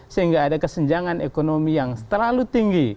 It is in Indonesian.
sehingga ada kesenjangan ekonomi yang terlalu tinggi